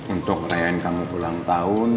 untuk merayakan kamu ulang tahun